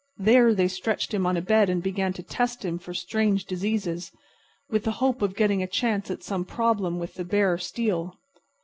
There they stretched him on a bed and began to test him for strange diseases, with the hope of getting a chance at some problem with the bare steel.